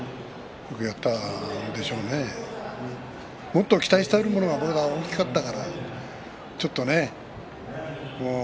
本当はもっと期待したものが大きかったから、ちょっとね。